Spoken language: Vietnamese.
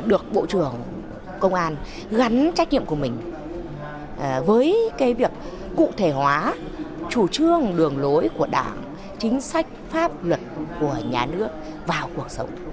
được bộ trưởng công an gắn trách nhiệm của mình với việc cụ thể hóa chủ trương đường lối của đảng chính sách pháp luật của nhà nước vào cuộc sống